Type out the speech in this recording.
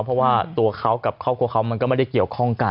เพราะว่าตัวเขากับครอบครัวเขามันก็ไม่ได้เกี่ยวข้องกัน